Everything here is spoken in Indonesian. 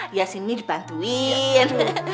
iya sini dibantuin